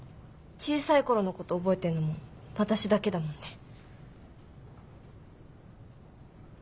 小さい頃のこと覚えてんのも私だけだもんね。